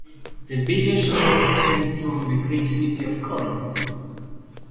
The village gets its name from the Greek city of Corinth.